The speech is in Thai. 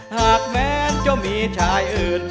แม้จะมีชายอื่น